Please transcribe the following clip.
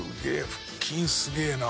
腹筋すげえな。